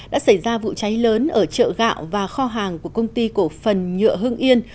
đã xảy ra vụ cháy lớn ở chợ gạo và kho hàng của công ty cổ phần nhựa hưng yên